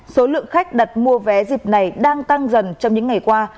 số lượng khách đặt mua vé dịp này đang tăng dần trong những ngày qua